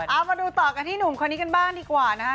เอามาดูต่อกันที่หนุ่มคนนี้กันบ้างดีกว่านะฮะ